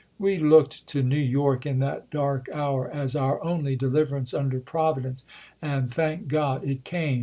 We looked to New York in that dark hour as our only dehverance under Providence, and, thank God, it came.